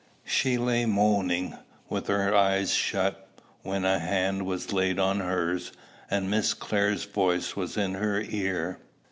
She lay moaning, with her eyes shut, when a hand was laid on hers, and Miss Clare's voice was in her ear.